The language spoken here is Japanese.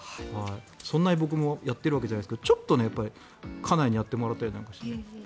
そんなに僕もやっているわけじゃないですけどちょっと家内にやってもらったりして。